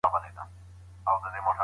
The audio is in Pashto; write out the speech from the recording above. دغه پوهان د خلګو د مرستې په لټه کي ول.